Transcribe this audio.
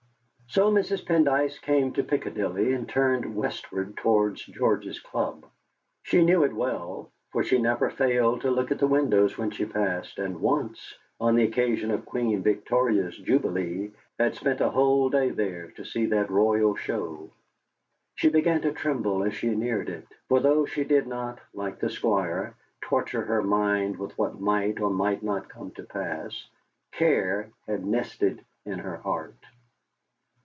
So Mrs. Pendyce came to Piccadilly and turned westward towards George's club. She knew it well, for she never failed to look at the windows when she passed, and once on the occasion of Queen Victoria's Jubilee had spent a whole day there to see that royal show. She began to tremble as she neared it, for though she did not, like the Squire, torture her mind with what might or might not come to pass, care had nested in her heart.